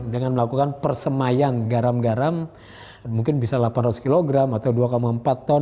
dengan melakukan persemayan garam garam mungkin bisa delapan ratus kilogram atau dua empat ton